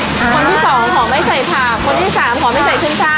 คนที่สองขอไม่ใส่ผักคนที่สามขอไม่ใส่เส้นช่า